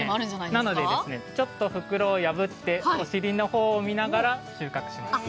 なのでちょっと袋を破ってお尻の方から収穫します。